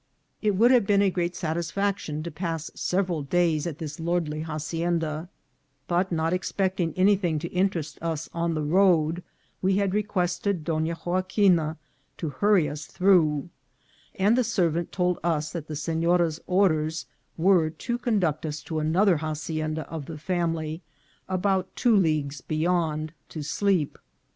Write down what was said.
It would have been a great satisfaction to pass sev eral days at this lordly hacienda; but, not expecting anything to interest us on the road, we had requested Donna Joaquina to hurry us through, and the servant told us that the senora's orders were to conduct us to another hacienda of the family, about two leagues be yond, to sleep.